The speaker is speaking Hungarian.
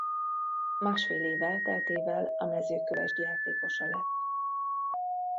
Másfél év elteltével a Mezőkövesd játékosa lett.